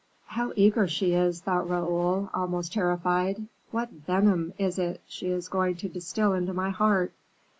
"How eager she is," thought Raoul, almost terrified; "what venom is it she is going to distil into my heart?"